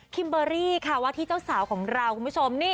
เบอรี่ค่ะว่าที่เจ้าสาวของเราคุณผู้ชมนี่